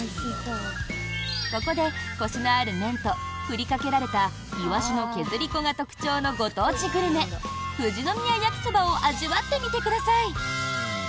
ここで、コシのある麺と振りかけられたイワシの削り粉が特徴のご当地グルメ、富士宮やきそばを味わってみてください。